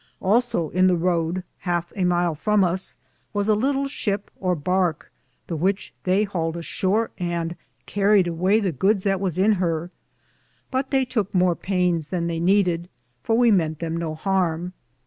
Also in the Rood, halfe a myle from us, was a litle shipp or barke, the which they hailed ashore, and carriede awaye the goodes that was in her ; but they touke more paynes then theie needed, for we ment them no harme, and one 1 j^gean Sea.